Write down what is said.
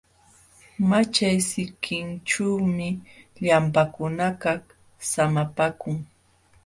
Maćhay sikinćhuumi llamkaqkunakaq samapaakun.